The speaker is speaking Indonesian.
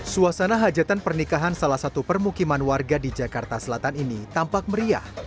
suasana hajatan pernikahan salah satu permukiman warga di jakarta selatan ini tampak meriah